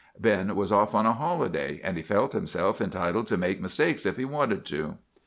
Ben was off on a holiday, and he felt himself entitled to make mistakes if he wanted to.